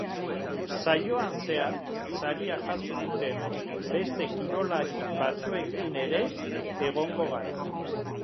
Saioan zehar, saria jaso duten beste kirolari batzuekin ere egongo gara.